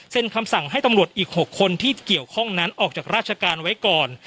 คำสั่งให้ตำรวจอีก๖คนที่เกี่ยวข้องนั้นออกจากราชการไว้ก่อน